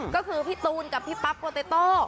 ก็คือพี่ตูนกับพี่ปั๊บโปเตโต้